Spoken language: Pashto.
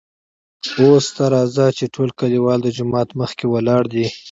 اوس ته راځه چې ټول کليوال دجومات مخکې ولاړ دي .